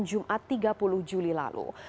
jumat tiga puluh juli lalu